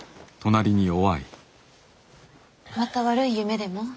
また悪い夢でも？